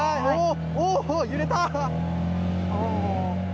おお、揺れた。